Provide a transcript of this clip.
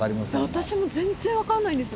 私も全然分からないんですよ。